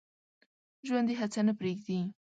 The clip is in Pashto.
ژوندي هڅه نه پرېږدي